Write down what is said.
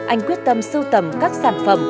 anh quyết tâm sưu tầm các sản phẩm